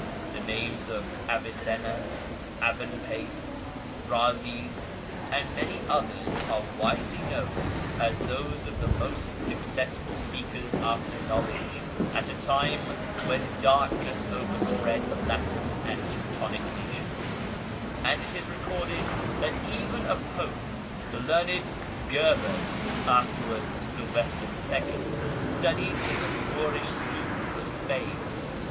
The names of Avicenna, Aben Pace, Bhazes, and many others are widely known as those of the most suc cessful seekers after knowledge at a time when darkness over spread the Latin and Teutonic nations ; and it is recorded tliat even a Pope, the learned Gerbert, afterwards Sylvester II, studied in the Moorish schools of Spain.